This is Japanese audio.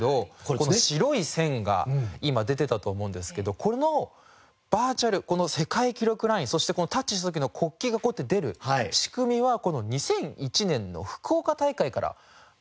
この白い線が今出てたと思うんですけどこのバーチャルこの世界記録ラインそしてこのタッチする時の国旗がこうやって出る仕組みはこの２００１年の福岡大会からだったんですって。